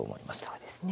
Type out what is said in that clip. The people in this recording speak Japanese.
そうですね。